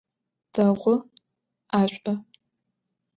Değu, 'eş'u.